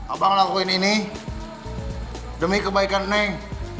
abang ngelakuin ini demi kebaikan neng